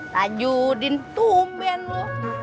tajudin tumben lu